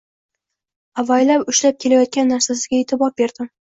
Avaylab ushlab kelayotgan narsasiga e`tibor berdim